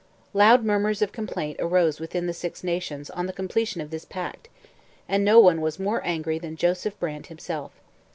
Loud murmurs of complaint arose within the Six Nations on the completion of this pact, and no one was more angry than Joseph Brant himself.